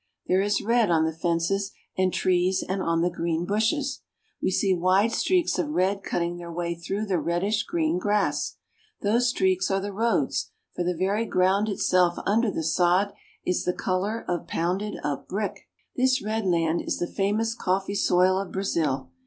There is red on the fences and trees and on the green bushes. We see wide streaks of red cutting their way through the reddish green grass. Those streaks are the roads, for the very ground itself under the sod is the color of pounded up brick. This red land is the famous coffee soil of Brazil.